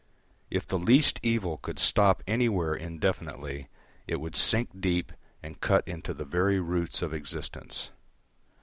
If the least evil could stop anywhere indefinitely, it would sink deep and cut into the very roots of existence.